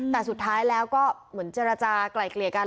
แต่สุดท้ายแล้วก็เหมือนเจรจากลายเกลี่ยกัน